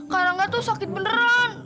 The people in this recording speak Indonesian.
karangga tuh sakit beneran